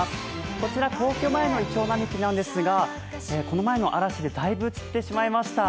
こちら皇居前のいちょう並木なんですが、この前の嵐でだいぶ散ってしまいました。